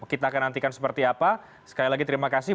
kita akan nantikan seperti apa sekali lagi terima kasih